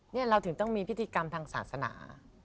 นี่เราถึงต้องมีพิธีกรรมทางศาสนา